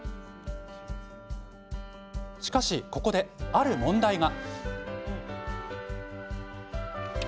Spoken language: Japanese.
しかし、ここである問題が。